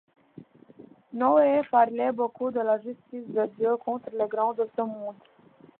Noé parle beaucoup de la justice de Dieu contre les grands de ce monde.